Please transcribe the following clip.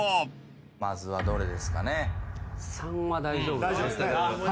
まずはどれですかね？